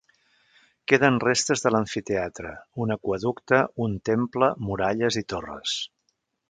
Queden restes de l'amfiteatre, un aqüeducte, un temple, muralles i torres.